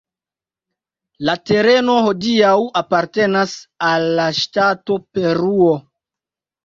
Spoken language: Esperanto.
La tereno hodiaŭ apartenas al la ŝtato Peruo.